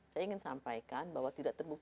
saya ingin sampaikan bahwa tidak terbukti